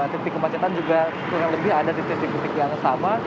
titik kemacetan juga kurang lebih ada di titik titik yang sama